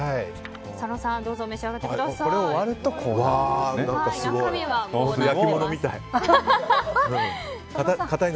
佐野さんどうぞ召し上がってください。